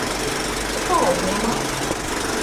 А цара ж няма.